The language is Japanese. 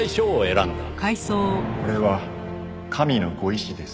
これは神のご意志です。